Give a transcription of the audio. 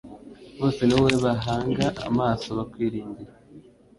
Bose ni wowe bahanga amaso bakwiringiye